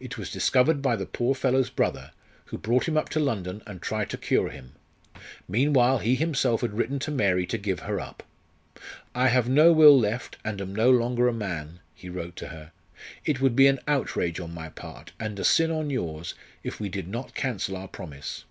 It was discovered by the poor fellow's brother, who brought him up to London and tried to cure him. Meanwhile he himself had written to Mary to give her up. "I have no will left, and am no longer a man," he wrote to her. "It would be an outrage on my part, and a sin on yours, if we did not cancel our promise."